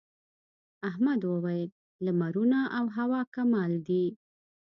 احمد وويل: لمرونه او هوا کمال دي.